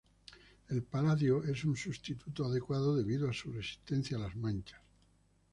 El paladio es un sustituto adecuado debido a su resistencia a las manchas.